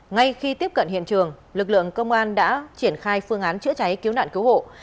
ngay khi tiếp cận hiện trường lực lượng công an đã triển khai phương án chữa cháy cứu nạn cứu hộ